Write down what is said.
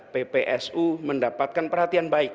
ppsu mendapatkan perhatian baik